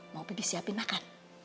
mau bibi siapin makan